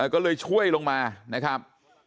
ก็เลยช่วยลงมานะครับ